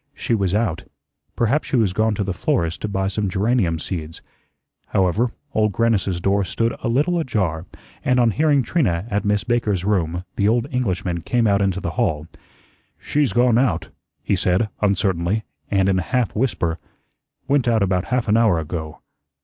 She was out. Perhaps she was gone to the florist's to buy some geranium seeds. However, Old Grannis's door stood a little ajar, and on hearing Trina at Miss Baker's room, the old Englishman came out into the hall. "She's gone out," he said, uncertainly, and in a half whisper, "went out about half an hour ago.